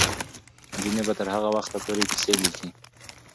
نجونې به تر هغه وخته پورې کیسې لیکي.